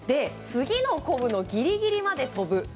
次のこぶのギリギリまで飛ぶ。